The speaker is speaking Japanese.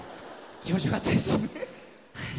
気持ち良かったです。